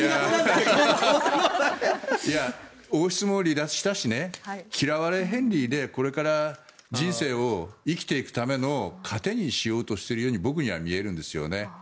王室も離脱したし嫌われヘンリーでこれから人生を生きていくための糧にしようとしているように僕には見えるんですよね。